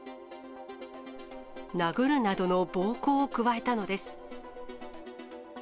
殴るなどの暴行を加えたのです。